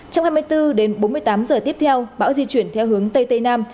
trong hai mươi bốn đến bốn mươi tám giờ tiếp theo bão di chuyển theo hướng tây tây nam